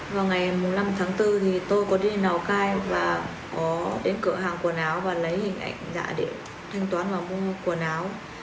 vào ngày năm tháng bốn thì tôi có đi lào cai và có đến cửa hàng quần áo và lấy hình ảnh giả để thanh toán và mua quần áo